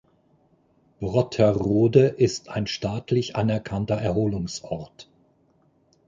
Brotterode ist ein staatlich anerkannter Erholungsort.